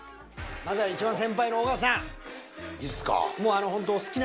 まずは一番先輩の尾形さん。